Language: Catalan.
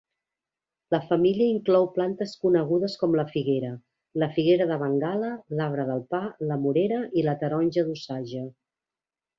La família inclou plantes conegudes com la figuera, la figuera de Bengala, l'arbre del pa, la morera i la taronja d'Osage.